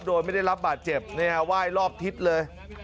โดยไม่ได้รับบาดเจ็บไหว้รอบทิศเลย